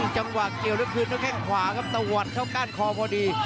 จังหวะเกี่ยวแล้วคืนด้วยแข้งขวาครับตะวัดเข้าก้านคอพอดี